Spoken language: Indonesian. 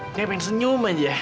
kayak pengen senyum aja